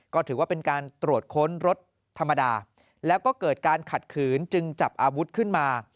ก็ถือว่าเป็นการตรวจค้นรถธรรมดาแล้วก็เกิดการขัดขืนจึงจับอาวุธขึ้นมา